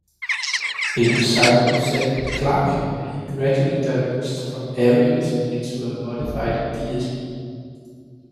A disciple of Samuel Clarke, he gradually diverged from Arianism into a modified deism.